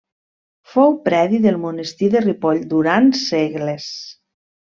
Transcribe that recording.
Fou predi del monestir de Ripoll durant segles.